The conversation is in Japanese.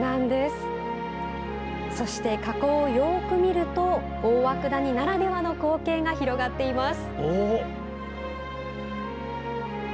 そして火口をよく見ると大涌谷ならではの光景が広がっています。